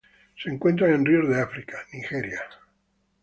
Se encuentran en ríos de África: Nigeria.